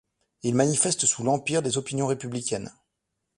Il manifeste sous l'Empire des opinions républicaines.